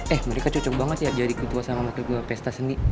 eh mereka cocok banget ya jadi ketua sama wakil ketua pesta seni